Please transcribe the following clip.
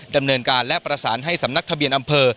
ดำเนินการและประสานให้สำนักทะเบียนอำเภอ